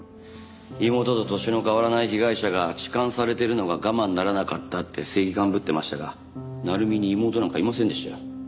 妹と年の変わらない被害者が痴漢されてるのが我慢ならなかったって正義漢ぶってましたが鳴海に妹なんかいませんでしたよ。